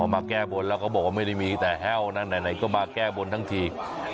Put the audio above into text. มาแก้บนแล้วเขาบอกว่าไม่ได้มีแต่แห้วนะไหนก็มาแก้บนทั้งที